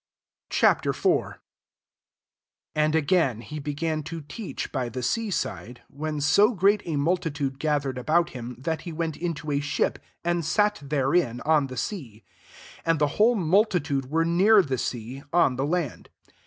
'' Ch. IV.'l AND again, he be gan to teach by the sea side, when so great a multitude ga thered about him, that he went into a ship, and sat therein on the sea ; and the whole multi tude v)ere near the sea, on the land.